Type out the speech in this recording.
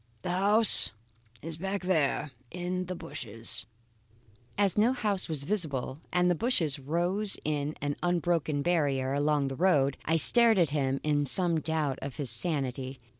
The house is back there in the bushes." As no house was visible and the bushes rose in an unbroken barrier along the road, I stared at him in some doubt of his sanity.